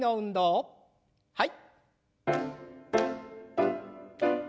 はい。